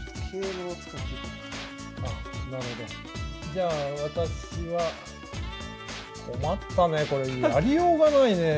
じゃあ私は困ったねこれやりようがないねえ。